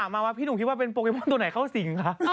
ไม่รู้เหมือนกันผมไม่รู้ตัวไหน